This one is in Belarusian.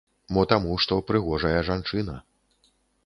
Мо таму, што прыгожая жанчына.